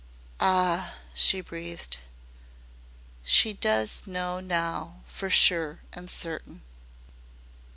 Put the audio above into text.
"Ah," she breathed, "she DOES know now fer sure an' certain."